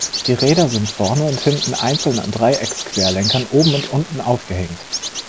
Die Räder sind vorne und hinten einzeln an Dreiecks-Querlenkern oben und unten aufgehängt.